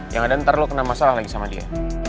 yang ada ntar lu kena masalah lagi sama dia